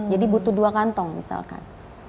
jadi butuh dua kantong misalkan